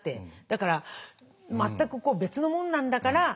だから全く別のものなんだから。